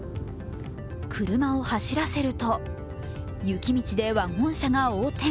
車を走らせると雪道でワゴン車が横転。